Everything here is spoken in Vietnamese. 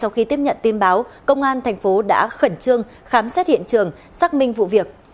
sau khi tiếp nhận tin báo công an thành phố đã khẩn trương khám xét hiện trường xác minh vụ việc